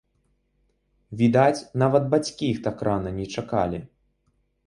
Відаць, нават бацькі іх так рана не чакалі!